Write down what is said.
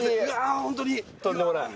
とんでもない。